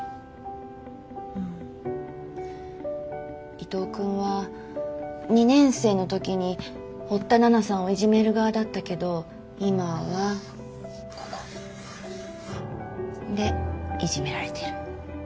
伊藤君は２年生の時に堀田奈々さんをいじめる側だったけど今はここ。んでいじめられてる。